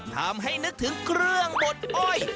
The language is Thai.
ทำให้นึกถึงเครื่องบดอ้อย